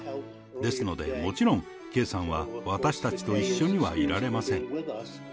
ですのでもちろん圭さんは私たちと一緒にはいられません。